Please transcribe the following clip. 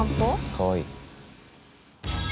かわいい。